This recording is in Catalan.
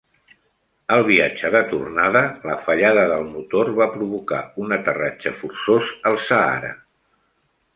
Al viatge de tornada, la fallada del motor va provocar un aterratge forçós al Sàhara.